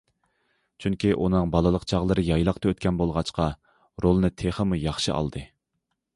چۈنكى ئۇنىڭ بالىلىق چاغلىرى يايلاقتا ئۆتكەن بولغاچقا، رولنى تېخىمۇ ياخشى ئالدى.